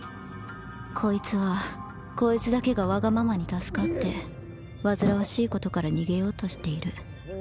こいつはこいつだけがわがままに助かって煩わしいことから逃げようとしている。